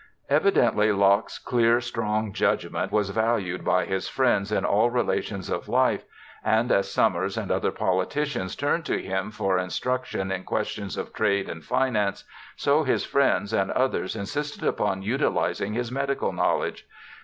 Evidently Locke's clear, strong judgement was valued by his friends in all relations of life, and as Somers and other politicians turned to him for instruction in ques tions of trade and finance, so his friends and others insisted upon utilizing his medical knowledge.